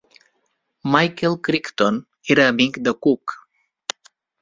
Michael Crichton era amic de Cook.